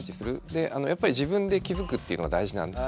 でやっぱり自分で気付くっていうのが大事なんです。